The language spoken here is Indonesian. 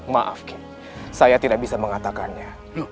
maaf ki saya tidak bisa mengatakannya